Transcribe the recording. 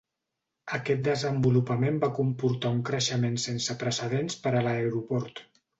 Aquest desenvolupament va comportar un creixement sense precedents per a l'aeroport.